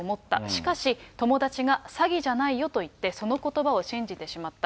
しかし、友達が詐欺じゃないよと言って、そのことばを信じてしまった。